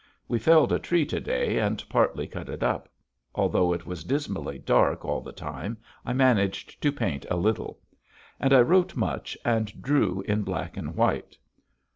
We felled a tree to day and partly cut it up. Although it was dismally dark all the time I managed to paint a little. And I wrote much and drew in black and white.